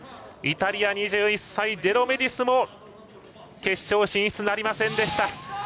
イタリア、２１歳デロメディスも決勝進出なりませんでした。